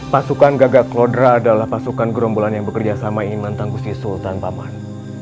pasukan gagak lodra adalah pasukan gerombolan yang bekerja sama iman tangguhsi sultan paman